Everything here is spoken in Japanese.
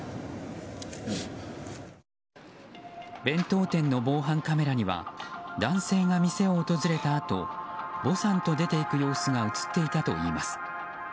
弁当店の防犯カメラには男性が店を訪れたあとヴォさんと出て行く様子が映っていたといいます。